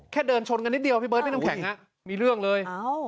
เดินชนกันนิดเดียวพี่เบิร์ดพี่น้ำแข็งมีเรื่องเลย